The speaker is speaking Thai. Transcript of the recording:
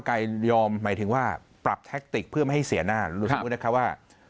ไกรยอมในถึงว่าปรับแท็กติกเพื่อไม่ให้เสียหน้ารู้นะคะว่า